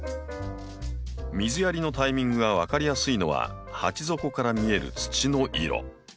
水やりのタイミングが分かりやすいのは鉢底から見える土の色。